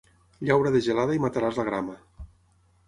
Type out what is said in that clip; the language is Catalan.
Llaura de gelada i mataràs la grama.